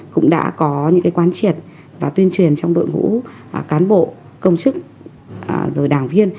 cũng đã có những quán triệt và tuyên truyền trong đội ngũ cán bộ công chức rồi đảng viên